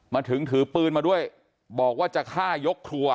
มาถึงถือปืนมาด้วยบอกว่าจะฆ่ายกครัว